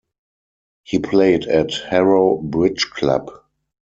He played at Harrow Bridge Club.